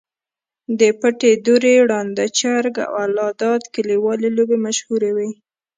د پټې دُرې، ړانده چرک، او الله داد کلیوالې لوبې مشهورې وې.